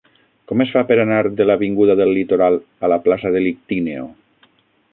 Com es fa per anar de l'avinguda del Litoral a la plaça de l'Ictíneo?